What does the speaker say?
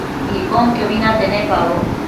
Icbonquiobi nate nepaboc